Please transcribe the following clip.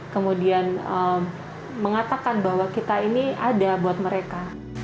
kemudian mengatakan bahwa kita ini ada buat mereka